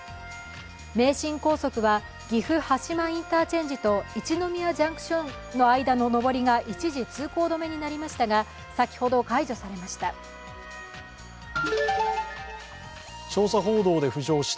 名神高速は岐阜羽島インターチェンジと一宮ジャンクションの間の上りが一時通行止めになりましたが、先ほど解除されました。